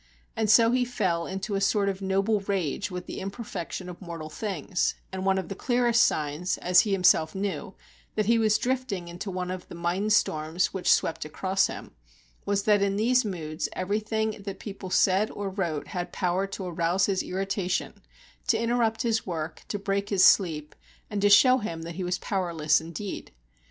And so he fell into a sort of noble rage with the imperfection of mortal things; and one of the clearest signs, as he himself knew, that he was drifting into one of the mind storms which swept across him, was that in these moods everything that people said or wrote had power to arouse his irritation, to interrupt his work, to break his sleep, and to show him that he was powerless indeed.